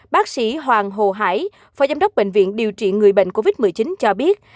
bác sĩ hoàng hồ hải phó giám đốc bệnh viện điều trị người bệnh covid một mươi chín cho biết